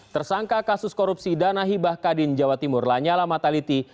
tersangka kasus korupsi danahibah kadin jawa timur lanyala mataliti